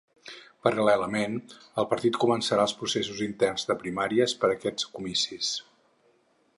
Paral·lelament, el partit començarà els processos interns de primàries per a aquests comicis.